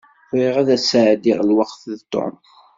Bɣiɣ ad sεeddiɣ lweqt d Tom.